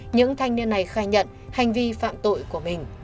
những thanh niên này khai nhận hành vi phạm tội của mình